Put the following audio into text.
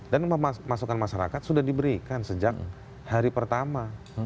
dan masukan masyarakat sudah diberikan sejak hari pertama